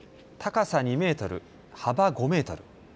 高さ２メートル、幅５メートル。